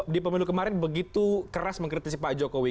di pemilu kemarin begitu keras mengkritisi pak jokowi